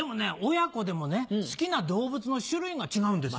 親子でも好きな動物の種類が違うんですよ。